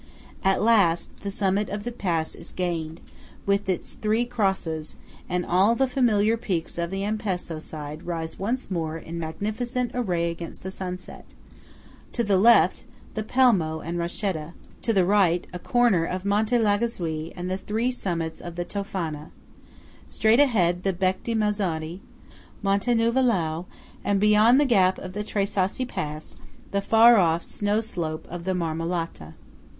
At last the summit of the pass is gained, with its three crosses; and all the familiar peaks of the Ampezzo side rise once more in magnificent array against the sunset:–to the left, the Pelmo and Rochetta; to the right, a corner of Monte Lagazuoi and the three summits of the Tofana; straight ahead the Bec di Mezzodi, Monte Nuvolau, and beyond the gap of the Tre Sassi pass, the far off snow slope of the Marmolata.